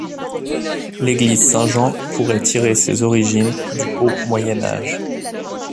L'église Saint-Jean pourrait tirer ses origines du haut Moyen Âge.